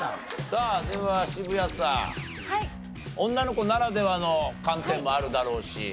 さあでは渋谷さん女の子ならではの観点もあるだろうし。